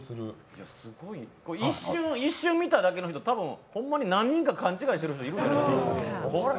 一瞬見ただけの人、多分、ホンマに何人か勘違いしている人いるんじゃないですか。